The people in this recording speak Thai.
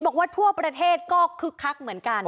บอกว่าทั่วประเทศก็คึกคักเหมือนกัน